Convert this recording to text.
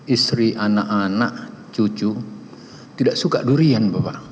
istri anak anak cucu tidak suka durian bapak